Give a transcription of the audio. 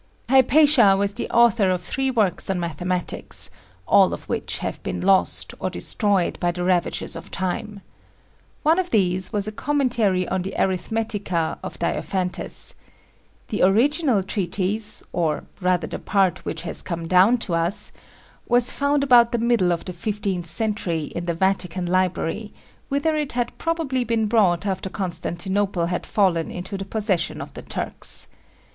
Hypatia was the author of three works on mathematics, all of which have been lost, or destroyed by the ravages of time. One of these was a commentary on the Arithmetica of Diophantus. The original treatise or rather the part which has come down to us was found about the middle of the fifteenth century in the Vatican Library, whither it had probably been brought after Constantinople had fallen into the possession of the Turks.